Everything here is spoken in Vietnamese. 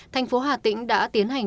thành phố hà tĩnh đã tiến hành